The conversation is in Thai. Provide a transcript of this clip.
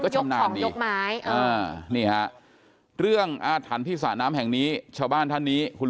ชำนาญยกไม้นี่ฮะเรื่องอาถรรพ์ที่สระน้ำแห่งนี้ชาวบ้านท่านนี้คุณ